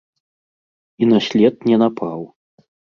І на след не напаў.